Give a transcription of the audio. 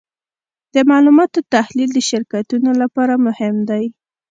د معلوماتو تحلیل د شرکتونو لپاره مهم دی.